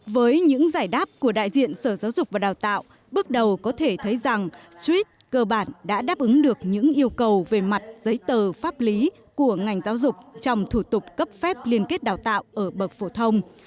với những giải đáp của đại diện sở giáo dục và đào tạo bước đầu có thể thấy rằng streat cơ bản đã đáp ứng được những yêu cầu về mặt giấy tờ pháp lý của ngành giáo dục trong thủ tục cấp phép liên kết đào tạo ở bậc phổ thông